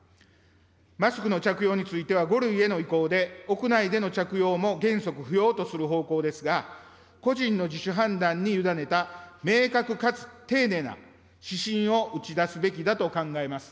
マスクの着用については５類への移行で、屋内での着用も原則不要とする方向ですが、個人の自主判断に委ねた明確かつ丁寧な指針を打ち出すべきだと考えます。